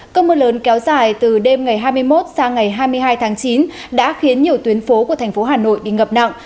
cơ mưa lớn kéo dài từ đêm ngày hai mươi một sang ngày hai mươi hai tháng chín đã khiến nhiều tuyến phố của thành phố hà nội bị ngập nặng